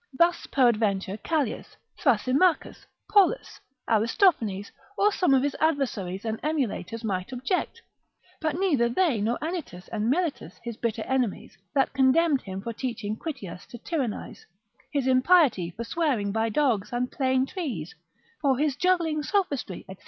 Thus peradventure Callias, Thrasimachus, Polus, Aristophanes, or some of his adversaries and emulators might object; but neither they nor Anytus and Melitus his bitter enemies, that condemned him for teaching Critias to tyrannise, his impiety for swearing by dogs and plain trees, for his juggling sophistry, &c.